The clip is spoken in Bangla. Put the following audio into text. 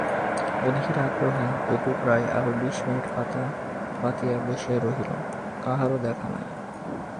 অধীর আগ্রহে অপু প্রায় আরও বিশ মিনিট পাতা পাতিয়া বসিয়া রহিল-কাহারও দেখা নাই।